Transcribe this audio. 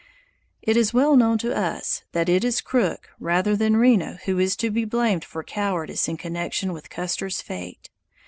It is well known to us that it is Crook rather than Reno who is to be blamed for cowardice in connection with Custer's fate.